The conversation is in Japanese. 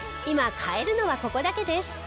今買えるのはここだけです。